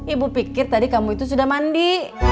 ibu pikir tadi kamu itu sudah mandi